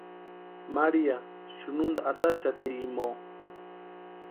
María xunhanta ataxati imo.